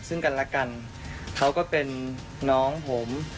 ซึ่งกันและกันเขาก็เป็นน้องผม